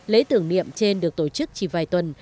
lễ tưởng niệm trên được tổ chức chỉ vài tuần